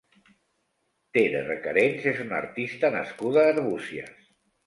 Tere Recarens és una artista nascuda a Arbúcies.